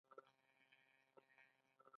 عصري تعلیم مهم دی ځکه چې د ټیم کار هڅوي.